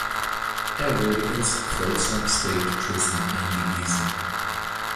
Er wurde ins Folsom State Prison eingewiesen.